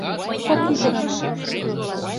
Кок ӱдыр ыле.